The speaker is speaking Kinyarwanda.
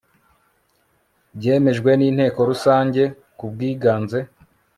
byemejwe n inteko rusange kubwiganze